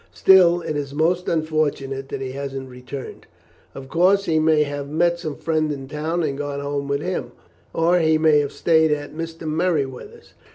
Still, it is most unfortunate that he hasn't returned. Of course, he may have met some friend in the town and gone home with him, or he may have stayed at Mr. Merryweather's."